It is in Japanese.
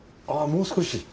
あぁもう少し。